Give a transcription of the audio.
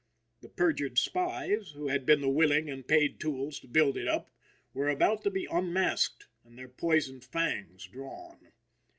The perjured spies, who had been the willing and paid tools to build it up, were about to be unmasked and their poisoned fangs drawn.